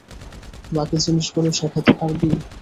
বাকি জিনিসগুলো শেখাতে পারবি?